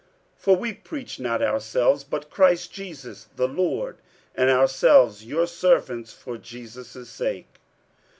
47:004:005 For we preach not ourselves, but Christ Jesus the Lord; and ourselves your servants for Jesus' sake.